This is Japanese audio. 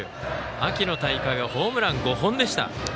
秋の大会はホームラン５本でした。